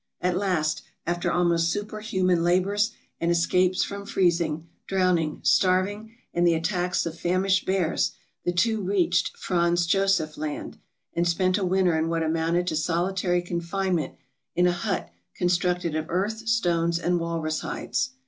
At last, after almost superhuman labors and escapes from freezing, drowning, starving, and the attacks of famished bears, the two reached Franz Josef Land, and spent a winter in what amounted to solitary confinement in a hut constructed of earth, stones, and walrus hides.